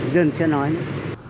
dừng sẽ nói nữa